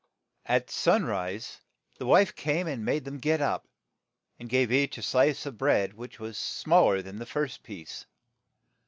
At sun rise the wife came and made them get up, and gave each a slice of bread which was small er than the first piece.